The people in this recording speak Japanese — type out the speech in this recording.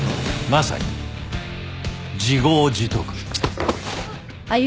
まさに自業自得。